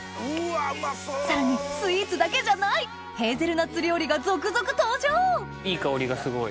さらにスイーツだけじゃないヘーゼルナッツ料理が続々登場いい香りがすごい。